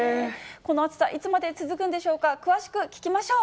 この暑さ、いつまで続くんでしょうか、詳しく聞きましょう。